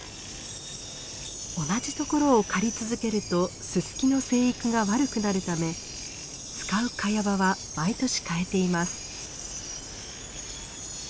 同じ所を刈り続けるとススキの成育が悪くなるため使うカヤ場は毎年替えています。